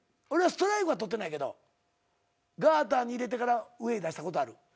俺はストライクは取ってないけどガターに入れてから上に出したことはある。